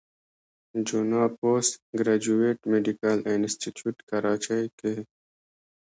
جناح پوسټ ګريجويټ ميډيکل انسټيتيوټ کراچۍ کښې